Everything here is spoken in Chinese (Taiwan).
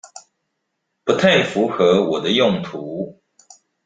不太符合我的用途